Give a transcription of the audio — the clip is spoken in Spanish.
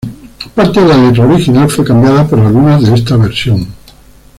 Parte de la letra original fue cambiada por algunas de esta versión.